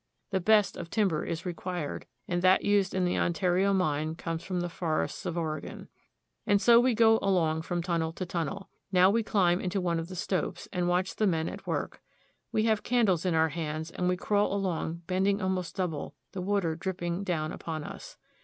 The best of timber is re quired, and that used in the Ontario Mine comes from the forests of Oregon. And so we go along from tunnel to tunnel. Now we climb into one of the stopes, and watch the men at work. We have candles in our hands, and we crawl along, bend ing almost double, the water dripping down upon us.